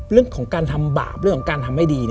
เรื่องของการทำบาปเรื่องของการทำไม่ดี